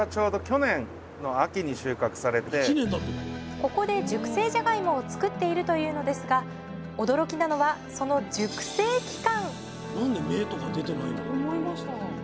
ここで熟成じゃがいもを作っているというのですが驚きなのはその熟成期間